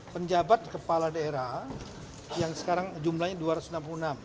penjabat kepala daerah yang sekarang jumlahnya dua ratus enam puluh enam